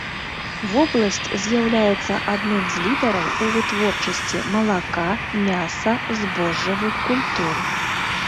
Вобласць з'яўляецца адным з лідараў у вытворчасці малака, мяса, збожжавых культур.